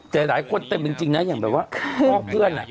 แต่หลายคนเต็มจริงนะอย่างแบบว่าพ่อเพื่อน